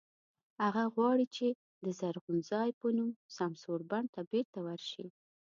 هغه غواړي چې د "زرغون ځای" په نوم سمسور بڼ ته بېرته ورشي.